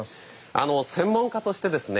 専門家としてですね